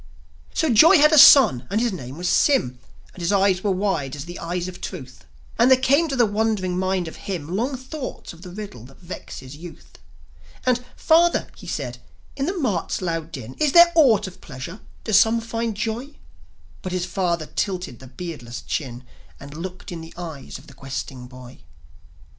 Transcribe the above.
So Joi had a son, and his name was Sym; And his eyes were wide as the eyes of Truth; And there came to the wondering mind of him Long thoughts of the riddle that vexes youth. And, "Father," he said, "in the mart's loud din Is there aught of pleasure? Do some find joy?" But his father tilted the beardless chin, And looked in the eyes of the questing boy.